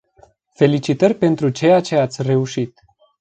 Felicitări pentru ceea ce ați reușit.